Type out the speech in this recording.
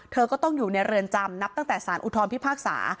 เธอก็ต้องอยู่ในเรือนจำนับตั้งแต่สารอุทธรพิพากษา